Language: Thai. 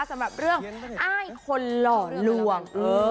สำหรับเรื่องอ้ายคนหล่อลวง